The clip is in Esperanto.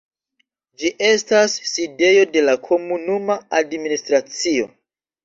Ĝi estas sidejo de la komunuma administracio.